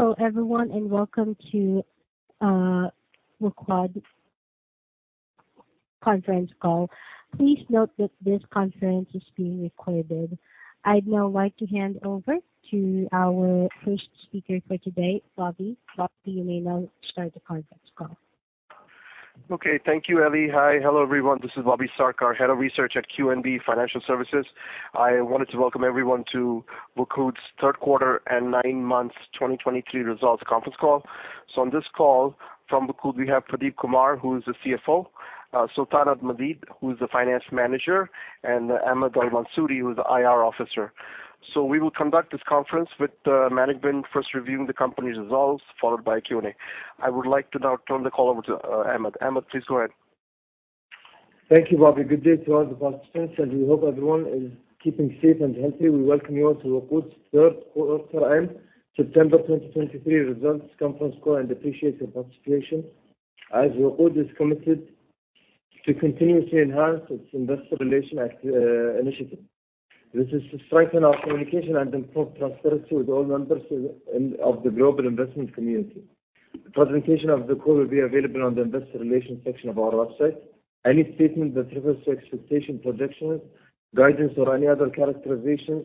Hello everyone, and welcome to WOQOD conference call. Please note that this conference is being recorded. I'd now like to hand over to our first speaker for today, Bobby. Bobby, you may now start the conference call. Okay. Thank you, Ellie. Hi. Hello, everyone. This is Bobby Sarkar, Head of Research at QNB Financial Services. I wanted to welcome everyone to WOQOD's Q3 and nine months 2023 results conference call. So on this call from WOQOD, we have Pradeep Kumar, who is the CFO, Sultan Al-Maadeed, who is the finance manager, and Ahmed Al-Mansoori, who is the IR officer. So we will conduct this conference with management first reviewing the company's results, followed by a Q&A. I would like to now turn the call over to Ahmed. Ahmed, please go ahead. Thank you, Bobby. Good day to all the participants, and we hope everyone is keeping safe and healthy. We welcome you all to WOQOD's Q3 and September 2023 results conference call and appreciate your participation. As WOQOD is committed to continuously enhance its Investor Relations activities, initiative. This is to strengthen our communication and improve transparency with all members of, of the global investment community. The presentation of the call will be available on the investor relations section of our website. Any statement that refers to expectation, projections, guidance, or any other characterizations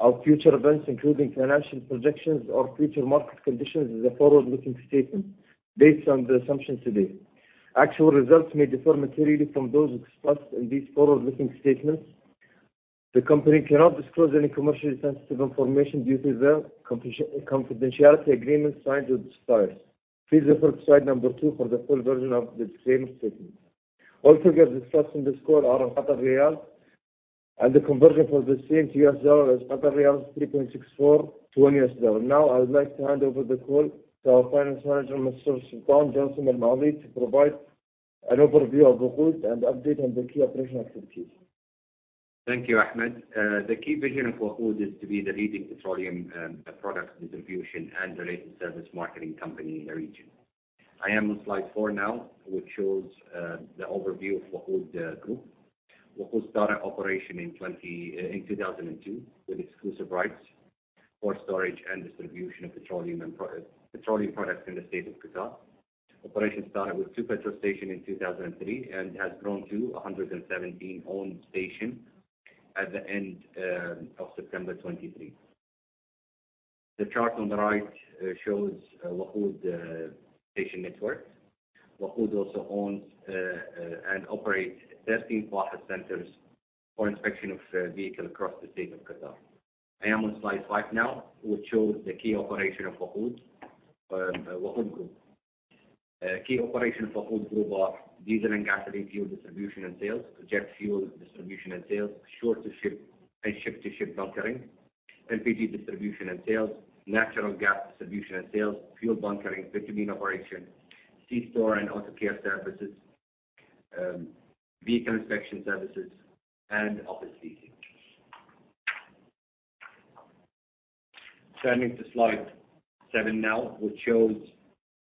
of future events, including financial projections or future market conditions, is a forward-looking statement based on the assumptions today. Actual results may differ materially from those expressed in these forward-looking statements. The company cannot disclose any commercially sensitive information due to the confidentiality agreement signed with its clients. Please refer to slide number two for the full version of the disclaimer statement. All figures discussed in this call are in Qatari riyal, and the conversion for the same to US dollar is Qatari riyal 3.64 to 1 US dollar. Now, I would like to hand over the call to our Finance Manager, Mr. Sultan Jassim Al-Maadeed, to provide an overview of WOQOD and update on the key operational activities. Thank you, Ahmed. The key vision of WOQOD is to be the leading petroleum product distribution and related service marketing company in the region. I am on Slide four now, which shows the overview of WOQOD Group. WOQOD started operation in 2002, with exclusive rights for storage and distribution of petroleum and petroleum products in the State of Qatar. Operation started with two petrol stations in 2003 and has grown to 117 owned stations at the end of September 2023. The chart on the right shows WOQOD station network. WOQOD also owns and operates 13 FAHES centers for inspection of vehicles across the State of Qatar. I am on Slide five now, which shows the key operation of WOQOD Group. Key operations of WOQOD Group are diesel and gasoline fuel distribution and sales, jet fuel distribution and sales, shore-to-ship and ship-to-ship bunkering, LPG distribution and sales, natural gas distribution and sales, fuel bunkering, bitumen operation, C-store and auto care services, vehicle inspection services, and office leasing. Turning to Slide seven now, which shows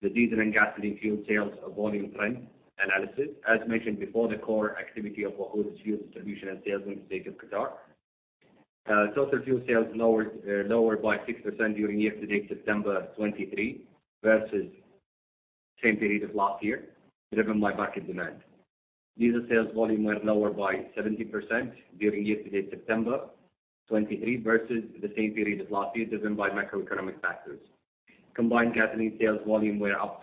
the diesel and gasoline fuel sales volume trend analysis. As mentioned before, the core activity of WOQOD is fuel distribution and sales in the State of Qatar. Total fuel sales lowered by 6% during year-to-date September 2023 versus same period of last year, driven by market demand. Diesel sales volume were lower by 70% during year-to-date September 2023 versus the same period as last year, driven by macroeconomic factors. Combined gasoline sales volume were up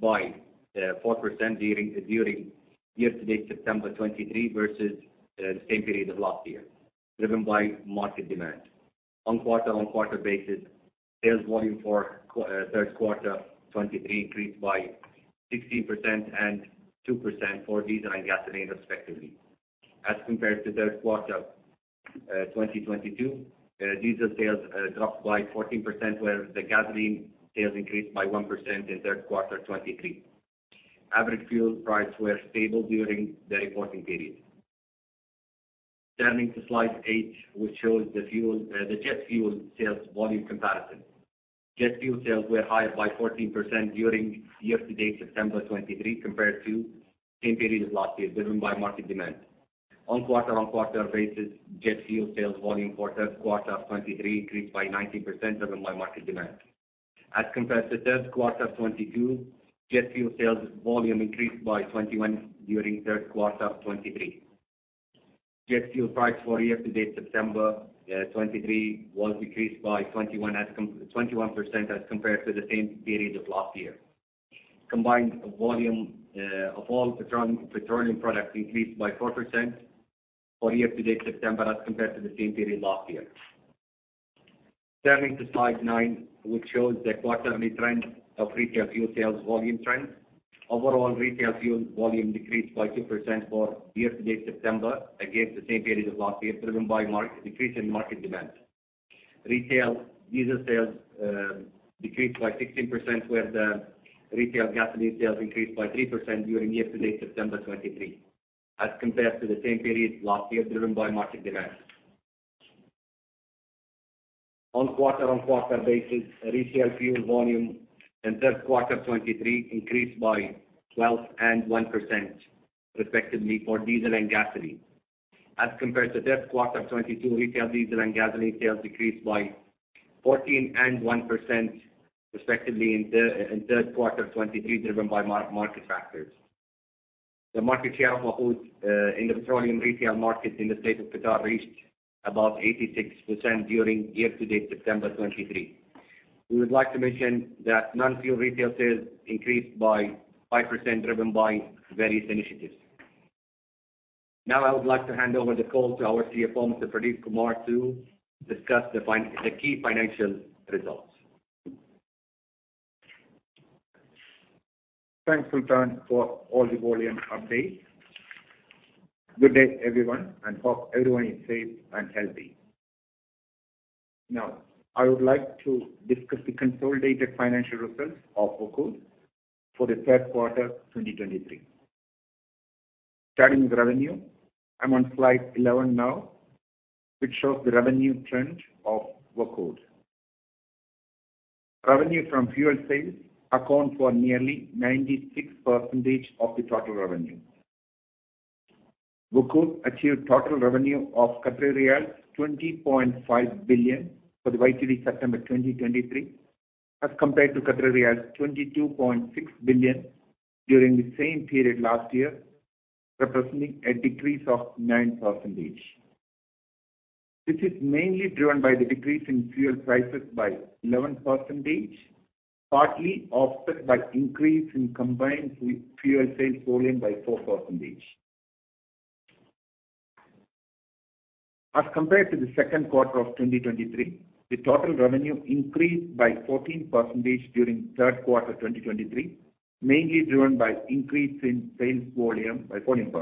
by 4% during year-to-date September 2023 versus the same period of last year, driven by market demand. On quarter-on-quarter basis, sales volume for Q3 2023 increased by 16% and 2% for diesel and gasoline respectively. As compared to Q3 2022, diesel sales dropped by 14%, whereas the gasoline sales increased by 1% in Q3 2023. Average fuel prices were stable during the reporting period. Turning to Slide eight, which shows the fuel, the jet fuel sales volume comparison. Jet fuel sales were higher by 14% during year-to-date September 2023, compared to same period last year, driven by market demand. On quarter-on-quarter basis, jet fuel sales volume for Q3 of 2023 increased by 19% driven by market demand. As compared to Q3 2022, jet fuel sales volume increased by 21 during Q3 of 2023. Jet fuel price for year-to-date September 2023 was decreased by 21% as compared to the same period of last year. Combined volume of all petroleum products increased by 4% for year-to-date September as compared to the same period last year. Turning to Slide nine, which shows the quarterly trend of retail fuel sales volume trend. Overall, retail fuel volume decreased by 2% for year-to-date September against the same period of last year, driven by decrease in market demand. Retail diesel sales decreased by 16%, where the retail gasoline sales increased by 3% during year-to-date September 2023, as compared to the same period last year, driven by market demand. On a quarter-on-quarter basis, retail fuel volume in Q3 2023 increased by 12% and 1% respectively for diesel and gasoline. As compared to Q3 2022, retail diesel and gasoline sales decreased by 14% and 1% respectively in Q3 2023, driven by market factors. The market share of WOQOD in the petroleum retail market in the State of Qatar reached about 86% during year-to-date September 2023. We would like to mention that non-fuel retail sales increased by 5%, driven by various initiatives. Now I would like to hand over the call to our CFO, Mr. Pradeep Kumar, to discuss the key financial results. Thanks, Sultan, for all the volume update. Good day, everyone, and hope everyone is safe and healthy. Now, I would like to discuss the consolidated financial results of WOQOD for the Q3, 2023. Starting with revenue, I'm on Slide 11 now, which shows the revenue trend of WOQOD. Revenue from fuel sales account for nearly 96% of the total revenue. WOQOD achieved total revenue of riyal 20.5 billion for the YTD September 2023, as compared to riyal 22.6 billion during the same period last year, representing a decrease of 9%. This is mainly driven by the decrease in fuel prices by 11%, partly offset by increase in combined fuel sales volume by 4%. As compared to the Q2 of 2023, the total revenue increased by 14% during Q3 2023, mainly driven by increase in sales volume by 14%.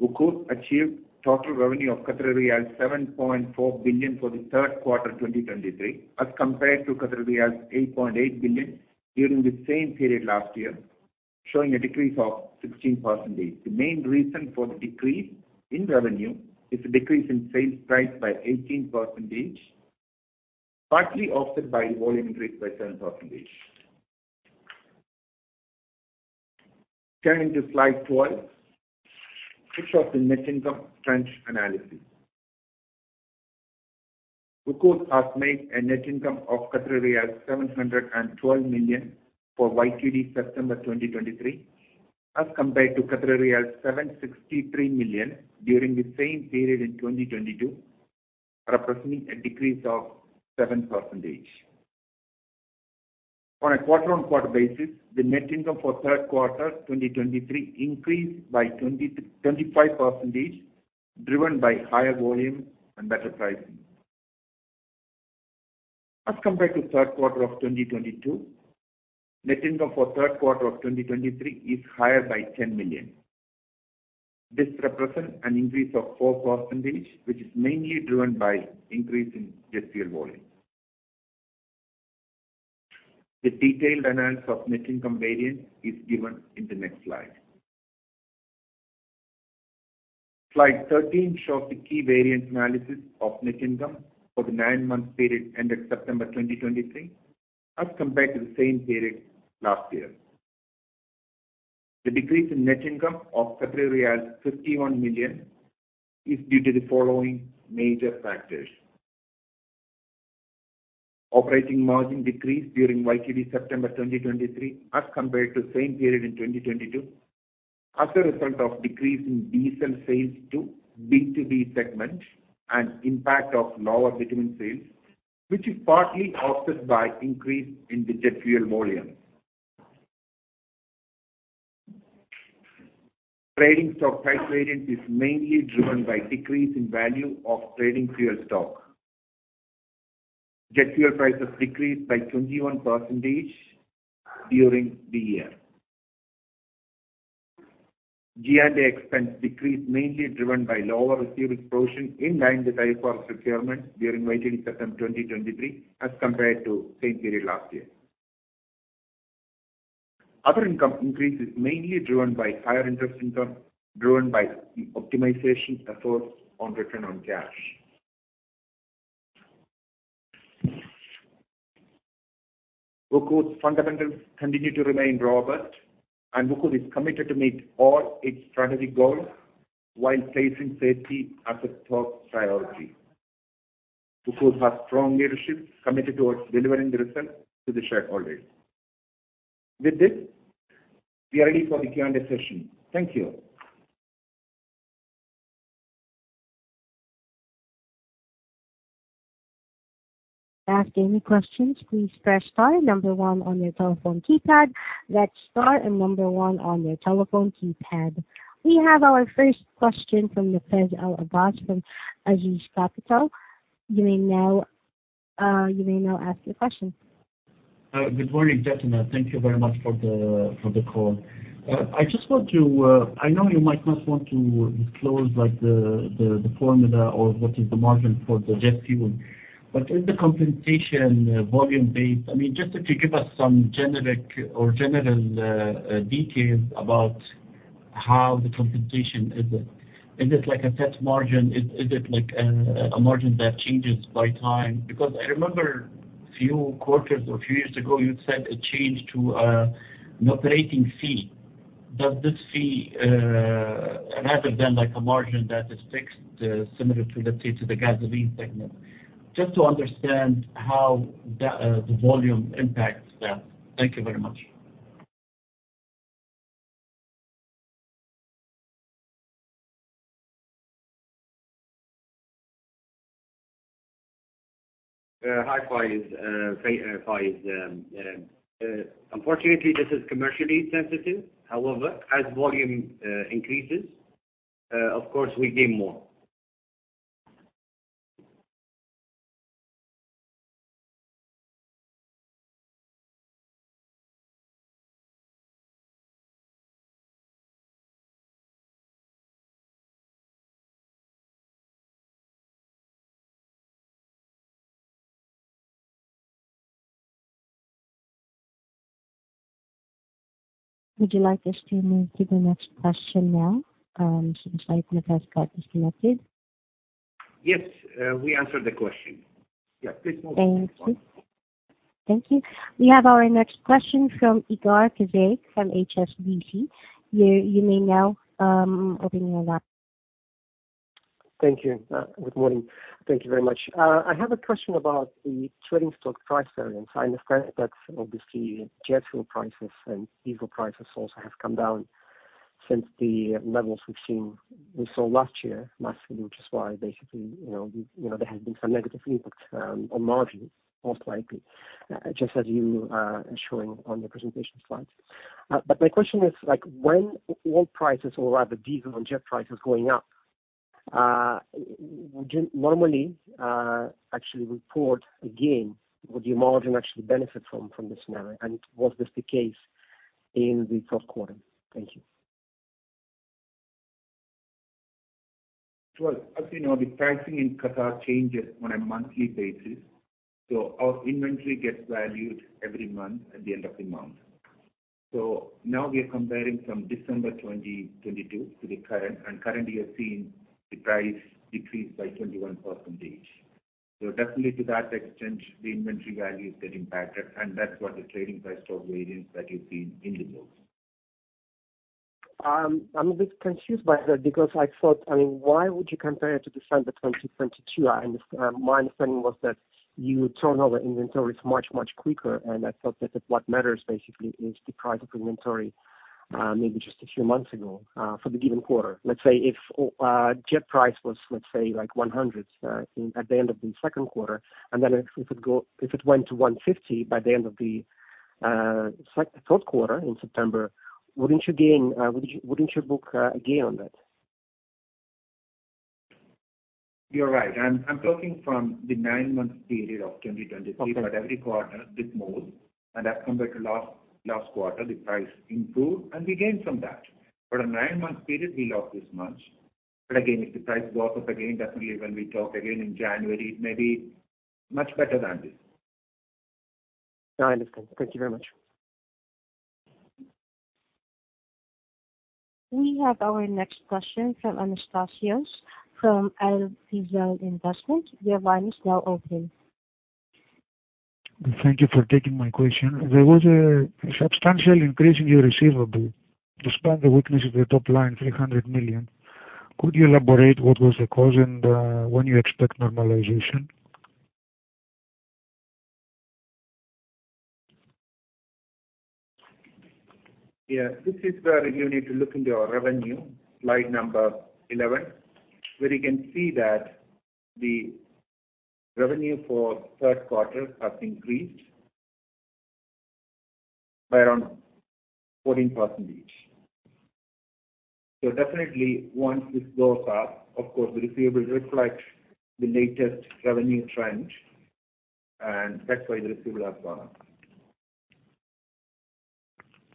WOQOD achieved total revenue of 7.4 billion for the Q3 2023, as compared to 8.8 billion during the same period last year, showing a decrease of 16%. The main reason for the decrease in revenue is a decrease in sales price by 18%, partly offset by volume increase by 10%. Turning to Slide 12, which shows the net income trend analysis. WOQOD has made a net income of 712 million for YTD September 2023, as compared to 763 million during the same period in 2022, representing a decrease of 7%. On a quarter-on-quarter basis, the net income for Q3 2023 increased by 25%, driven by higher volume and better pricing. As compared to Q3 of 2022, net income for Q3 of 2023 is higher by 10 million. This represents an increase of 4%, which is mainly driven by increase in jet fuel volume. The detailed analysis of net income variance is given in the next slide. Slide 13 shows the key variance analysis of net income for the nine-month period ended September 2023, as compared to the same period last year. The decrease in net income of 51 million is due to the following major factors: Operating margin decreased during YTD September 2023, as compared to the same period in 2022, as a result of decrease in diesel sales to B2B segments and impact of lower bitumen sales, which is partly offset by increase in the jet fuel volume. Trading stock price variance is mainly driven by decrease in value of trading fuel stock. Jet fuel prices decreased by 21% during the year. G&A expense decreased, mainly driven by lower forex exposure in line with the type of procurement during YTD September 2023, as compared to same period last year. Other income increase is mainly driven by higher interest income, driven by the optimization efforts on return on cash. WOQOD's fundamentals continue to remain robust, and WOQOD is committed to meet all its strategic goals while placing safety as a top priority. WOQOD has strong leadership committed toward delivering the results to the shareholders. With this, we are ready for the Q&A session. Thank you. Ask any questions, please press star, number one on your telephone keypad. That's star and number one on your telephone keypad. We have our first question from Younes El Abbas from Arqaam Capital. You may now, you may now ask your question. Good morning, gentlemen. Thank you very much for the call. I just want to... I know you might not want to disclose, like, the formula or what is the margin for the jet fuel, but is the compensation volume based? I mean, just if you give us some generic or general details about how the compensation is it like a set margin? Is it like a margin that changes by time? Because I remember-... a few quarters or a few years ago, you said a change to an operating fee. Does this fee, rather than like a margin that is fixed, similar to, let's say, the gasoline segment? Just to understand how the volume impacts that. Thank you very much. Hi, Younes, unfortunately, this is commercially sensitive. However, as volume increases, of course, we gain more. Would you like us to move to the next question now, since? Yes, we answered the question. Yeah, please move on. Thank you. Thank you. We have our next question from Igor Pezek of HSBC. You may now open your line. Thank you. Good morning. Thank you very much. I have a question about the trading stock price variance. I understand that obviously, jet fuel prices and diesel prices also have come down since the levels we've seen - we saw last year, last year, which is why basically, you know, you know, there has been some negative impact on margins, most likely, just as you are showing on the presentation slides. But my question is like, when oil prices or rather diesel and jet prices going up, would you normally actually report a gain? Would your margin actually benefit from this scenario, and was this the case in the Q1? Thank you. Well, as you know, the pricing in Qatar changes on a monthly basis, so our inventory gets valued every month at the end of the month. So now we are comparing from December 2022 to the current, and currently, we are seeing the price decrease by 21%. So definitely to that extent, the inventory value is getting impacted, and that's what the trading price of variance that you've seen in the notes. I'm a bit confused by that because I thought... I mean, why would you compare to December 2022? My understanding was that you turn over inventories much, much quicker, and I thought that what matters basically is the price of inventory, maybe just a few months ago, for the given quarter. Let's say if jet price was, let's say, like $100 in at the end of the Q2, and then if it went to $150 by the end of the Q3 in September, wouldn't you gain? Would you, wouldn't you book a gain on that? You're right. I'm talking from the nine-month period of 2023. Okay. But every quarter, this month, and as compared to last, last quarter, the price improved and we gained from that. But on a nine-month period, we lost this much. But again, if the price goes up again, definitely when we talk again in January, it may be much better than this. I understand. Thank you very much. We have our next question from Anastasios from LPZ Investment. Your line is now open. Thank you for taking my question. There was a substantial increase in your receivable, despite the weakness of the top line, 300 million. Could you elaborate what was the cause and when you expect normalization? Yeah, this is where you need to look into our revenue, slide number 11, where you can see that the revenue for Q3 has increased by around 14%. So definitely once this goes up, of course, the receivable reflects the latest revenue trend, and that's why the receivable has gone up.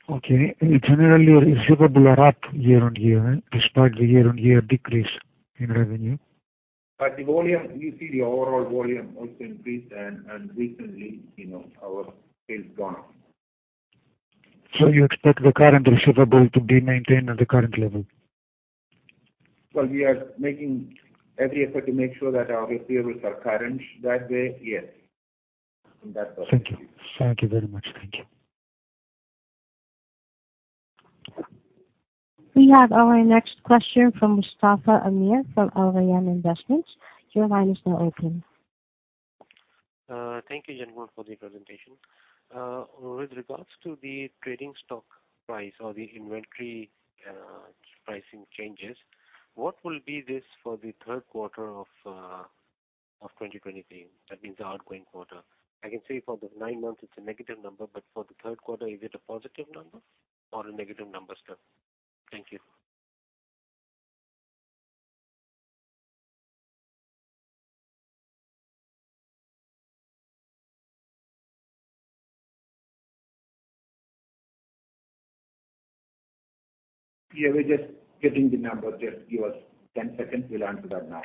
Okay. And generally, your receivables are up year-on-year, despite the year-on-year decrease in revenue. But the volume, you see, the overall volume also increased, and recently, you know, our sales gone up. So you expect the current receivable to be maintained at the current level? Well, we are making every effort to make sure that our receivables are current that way, yes. In that way. Thank you. Thank you very much. Thank you. We have our next question from Mustafa Amer from Al Rayan Investment. Your line is now open. Thank you, Kumar, for the presentation. With regards to the trading stock price or the inventory, pricing changes, what will be this for the Q3 of 2023? That means the outgoing quarter. I can say for the nine months, it's a negative number, but for the Q3, is it a positive number or a negative number still? Thank you. Yeah, we're just getting the number. Just give us 10 seconds. We'll answer that now.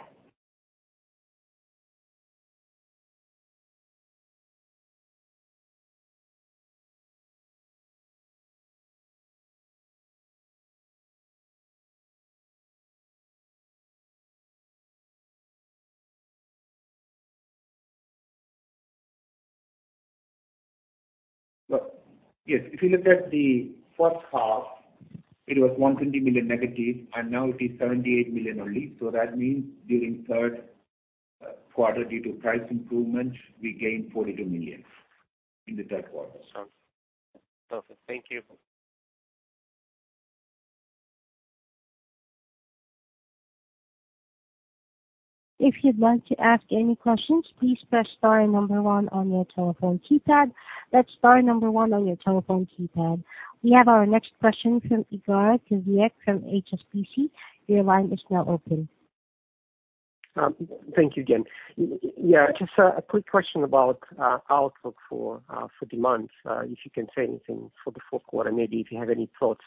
Well, yes, if you look at the first half, it was -120 million, and now it is 78 million only. So that means during Q3, due to price improvements, we gained 42 million in the Q3. Sounds perfect. Thank you. If you'd like to ask any questions, please press star and number one on your telephone keypad. That's star number one on your telephone keypad. We have our next question from Igor Pezek from HSBC. Your line is now open. Thank you again. Yeah, just a quick question about outlook for demand. If you can say anything for the Q4, maybe if you have any thoughts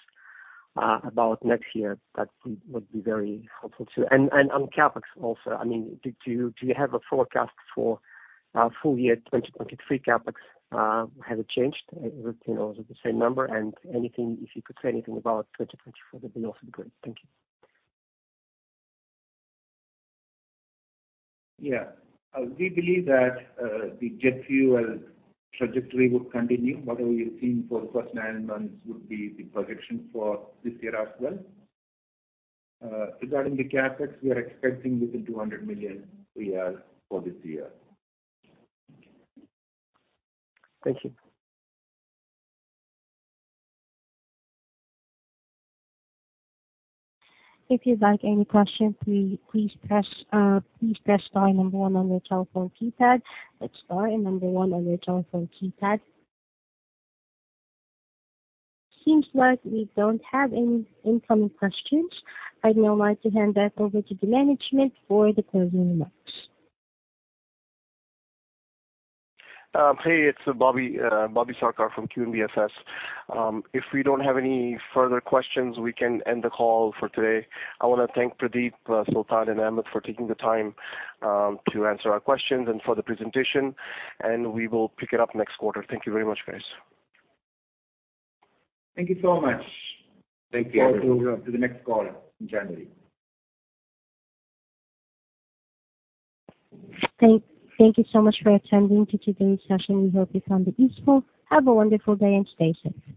about next year, that would be very helpful, too. And on CapEx also, I mean, do you have a forecast for full year 2023 CapEx? Has it changed? You know, is it the same number? And anything, if you could say anything about 2024, that would also be great. Thank you. Yeah. We believe that the jet fuel trajectory would continue. Whatever we've seen for the first nine months would be the projection for this year as well. Regarding the CapEx, we are expecting within 200 million for this year. Thank you. If you'd like any question, please, please press, please press star and number one on your telephone keypad. That's star and number one on your telephone keypad. Seems like we don't have any incoming questions. I'd now like to hand back over to the management for the closing remarks. Hey, it's Bobby Sarkar from QNBFS. If we don't have any further questions, we can end the call for today. I wanna thank Pradeep, Sultan, and Ahmed, for taking the time to answer our questions and for the presentation, and we will pick it up next quarter. Thank you very much, guys. Thank you so much. Thank you. To the next call in January. Thank you so much for attending to today's session. We hope you found it useful. Have a wonderful day, and stay safe.